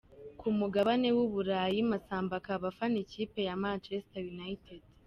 Ku mugabane w’u Burayi Massamba akaba afana ikipe ya Manchester United.